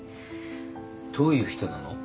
どういう人なの？